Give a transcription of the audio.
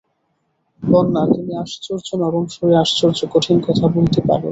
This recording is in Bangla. বন্যা, তুমি আশ্চর্য নরম সুরে আশ্চর্য কঠিন কথা বলতে পার।